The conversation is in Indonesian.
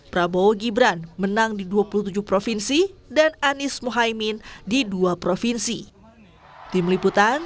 prabowo gibran menang di dua puluh tujuh provinsi dan anies mohaimin di dua provinsi